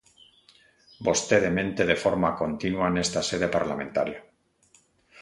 Vostede mente de forma continua nesta sede parlamentaria.